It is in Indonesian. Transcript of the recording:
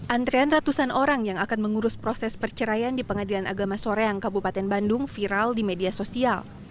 antrean ratusan orang yang akan mengurus proses perceraian di pengadilan agama soreang kabupaten bandung viral di media sosial